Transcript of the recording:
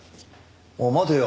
おい待てよ！